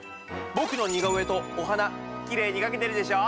僕の似顔絵とお花きれいに描けてるでしょ？